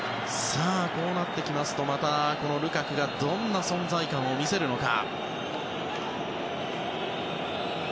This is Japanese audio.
さあ、こうなってきますとまたルカクがどんな存在感を見せるのか。